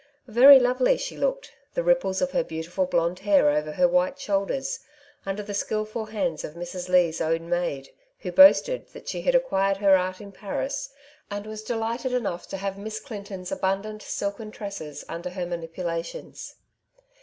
Very lovely she looked, the ripples of her beauti ful blond hair over her white shoulders, under the skilful hands of Mrs. Leigh's own maid, who boasted that she had acquired her art in Paris, and was delighted enough to have Miss Clinton's abundant Wealth versus Poverty, 99 silken tresses under her manipulations.